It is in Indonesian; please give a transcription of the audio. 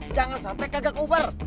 jangan sampai kagak uber